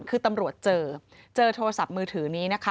คือตำรวจเจอโทรศัพท์มือถือนี้